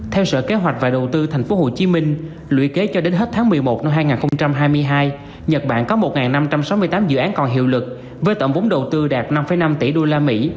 theo sở kế hoạch và đầu tư tp hcm lũy kế cho đến hết tháng một mươi một năm hai nghìn hai mươi hai nhật bản có một năm trăm sáu mươi tám dự án còn hiệu lực với tổng vốn đầu tư đạt năm năm tỷ đô la mỹ